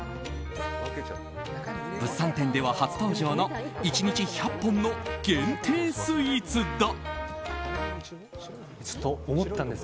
物産展では初登場の１日１００本の限定スイーツだ。